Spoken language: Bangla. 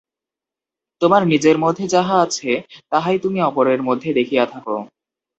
তোমার নিজের মধ্যে যাহা আছে, তাহাই তুমি অপরের মধ্যে দেখিয়া থাক।